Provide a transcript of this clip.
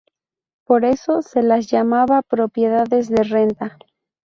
Por eso se las llamaba "propiedades de renta".